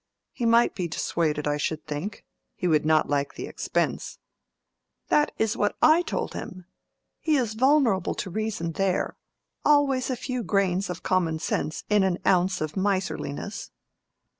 "He might be dissuaded, I should think. He would not like the expense." "That is what I told him. He is vulnerable to reason there—always a few grains of common sense in an ounce of miserliness.